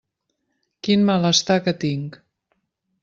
Quin malestar que tinc!